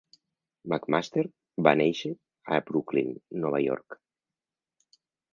McMaster va néixer a Brooklyn, Nova York.